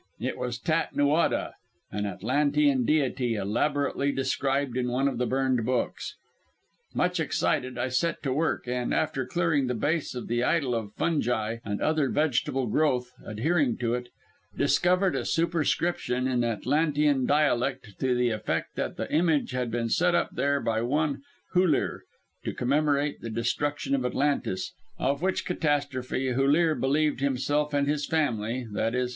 It was Tat Nuada, an Atlantean deity, elaborately described in one of the burned books. Much excited, I set to work, and, after clearing the base of the idol of fungi and other vegetable growth adhering to it, discovered a superscription in Atlantean dialect to the effect that the image had been set up there by one Hullir to commemorate the destruction of Atlantis, of which catastrophe Hullir believed himself and his family, _i.e.